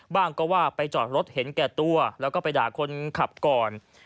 บ้างก็ว่าไปจอดรถเห็นแก่ตัวแล้วก็ไปด่าคนขับก่อน